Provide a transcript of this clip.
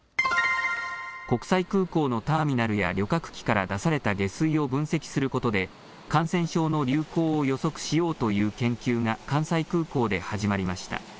国際空港のターミナルや旅客機から出された下水を分析することで感染症の流行を予測しようという研究が関西空港で始まりました。